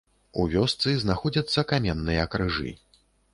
У вёсцы знаходзяцца каменныя крыжы.